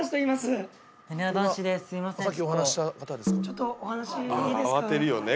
ちょっとお話いいですか？